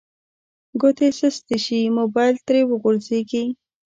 ګوتې سستې شي موبایل ترې وغورځیږي